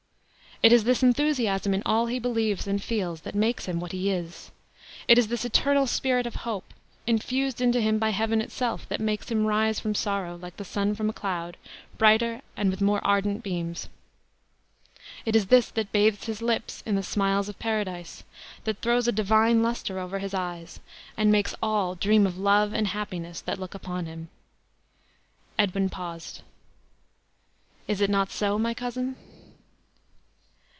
It is this enthusiasm in all he believes and feels that makes him what he is. It is this eternal spirit of hope, infused into him by Heaven itself, that makes him rise from sorrow, like the sun from a cloud, brighter, and with more ardent beams. It is this that bathes his lips in the smiles of Paradise, that throws a divine luster over his eyes, and makes all dream of love and happiness that look upon him." Edwin paused. "Is it not so, my cousin?"